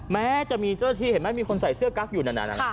แม้จะมีเจ้าหน้าที่เห็นไหมมีคนใส่เสื้อกั๊กอยู่นั่น